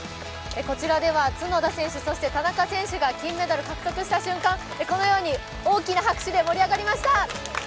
こちらでは角田選手、田中選手が金メダル獲得した瞬間、このように大きな拍手で盛り上がりました。